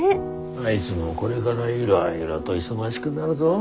あいづもこれがらいろいろと忙しくなるぞ。